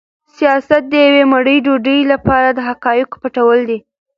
سیاست د یوې مړۍ ډوډۍ لپاره د حقایقو پټول دي.